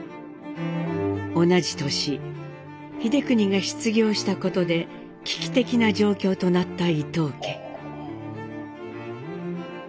同じ年英邦が失業したことで危機的な状況となった伊藤家。